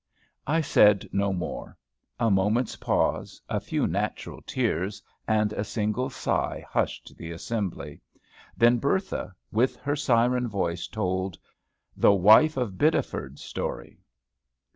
I said no more. A moment's pause, a few natural tears, and a single sigh hushed the assembly; then Bertha, with her siren voice, told THE WIFE OF BIDDEFORD'S STORY.